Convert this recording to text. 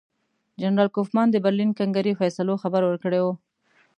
جنرال کوفمان د برلین کنګرې فیصلو خبر ورکړی وو.